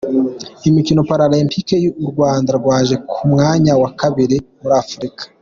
Imikino Paralempike uRwanda rwaje ku mwanya wa kabiri muri Afurika